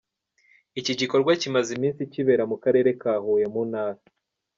Iki gikorwa kimaze iminsi kibera mu Karere ka Huye mu Ntara